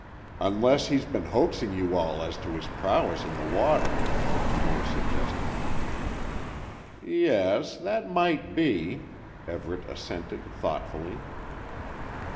"Unless he's been hoaxing you all as to his prowess in the water," Moore suggested. "Yes, that might be," Everett assented, thoughtfully.